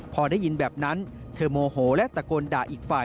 พอได้ยินแบบนั้นเธอโมโหและตะโกนด่าอีกฝ่าย